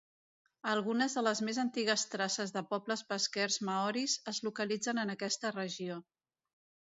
Algunes de les més antigues traces de pobles pesquers maoris es localitzen en aquesta regió.